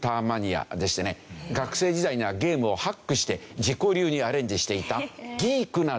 学生時代にはゲームをハックして自己流にアレンジしていたギークな大臣。